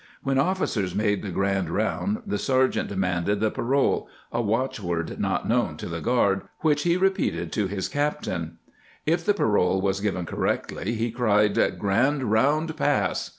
When ofBcers made the grand round the sergeant de manded the parole — a watchword not known to the guard — which he repeated to his captain. If the parole was given correctly he cried, " Grand round pass."